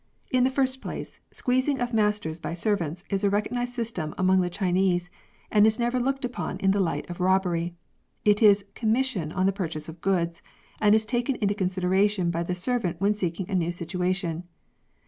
In the first place, squeezing of masters by servants is a recognised system among the Chinese, and is never looked upon in the light of robbery. It is commission on the purchase of goods, and is taken into consideration by the servant when seeking a new situation.